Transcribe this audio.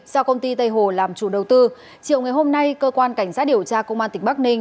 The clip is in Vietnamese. do công ty tây hồ làm chủ đầu tư chiều ngày hôm nay cơ quan cảnh sát điều tra công an tỉnh bắc ninh